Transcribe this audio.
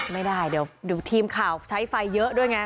ไม่ได้เดี๋ยวทีมข่าวใช้ไฟเยอะด้วยไง